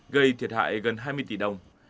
gây thiệt hại gần hai mươi tỷ đồng